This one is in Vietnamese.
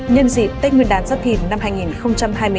nhân dịp tết nguyên đán giáp thìn năm hai nghìn hai mươi bốn